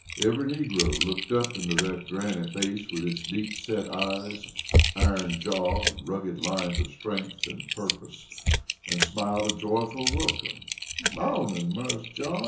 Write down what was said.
Every negro looked up into that granite face with its deep set eyes, iron jaw, and rugged lines of strength and purpose, and smiled a joyful welcome: "Mawnin', Marse John.